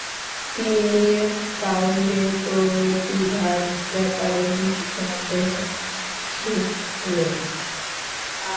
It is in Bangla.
তিনি পাউন্ডের প্রতিভার ব্যাপারে নিঃসন্দেহ ছিলেন।